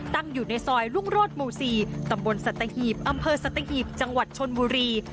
อยู่ในซอยรุ่งโรศหมู่๔ตำบลสัตหีบอำเภอสัตหีบจังหวัดชนบุรี